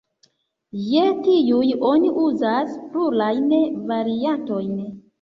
Je tiuj oni uzas plurajn variantojn.